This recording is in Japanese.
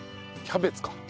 キャベツか。